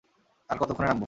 আর কতক্ষণে নামব?